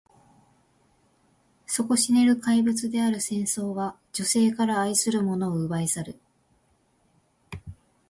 底知れぬ怪物である戦争は、女性から愛する者を奪い去る。